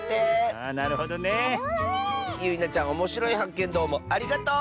あなるほどね。なるほどね。ゆいなちゃんおもしろいはっけんどうもありがとう！